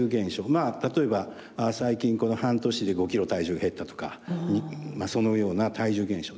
まあ例えば最近この半年で５キロ体重が減ったとかまあそのような体重減少ですね。